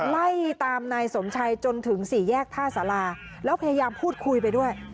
ไล่ตามนายสมชัยจนถึงสี่แยกท่าสาราแล้วพยายามพูดคุยไปด้วย